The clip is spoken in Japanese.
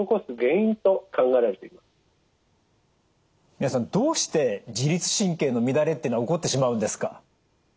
三輪さんどうして自律神経の乱れってのが起こってしまうんですか？